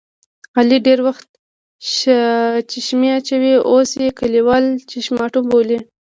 علي ډېری وخت چشمې اچوي اوس یې کلیوال چشماټو بولي.